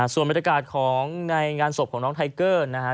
ส่วนบรรยากาศของในงานศพของน้องไทเกอร์นะฮะ